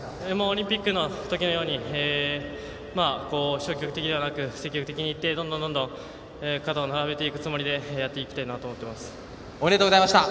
オリンピックのときのように消極的ではなく積極的にいって、どんどん肩を並べていくつもりでおめでとうございました。